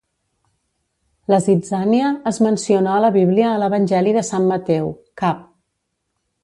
La zitzània es menciona a la Bíblia a l'evangeli de Sant Mateu, Cap.